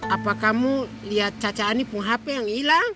apa kamu liat caca ani peng hp yang ilang